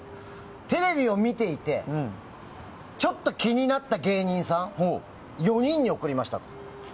テレビを見ていてちょっと気になった芸人さん４人に送りましたと。